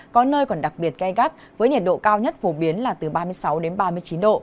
có nơi còn đặc biệt gai gắt với nhiệt độ cao nhất phổ biến là từ ba mươi sáu đến ba mươi chín độ